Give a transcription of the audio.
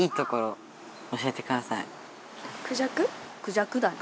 クジャクだね。